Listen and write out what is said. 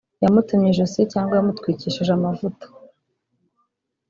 yamutemye ijosi cyangwa yamutwikishije amavuta